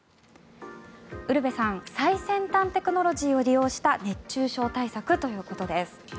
ウルヴェさん最先端テクノロジーを利用した熱中症対策ということです。